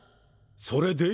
それで？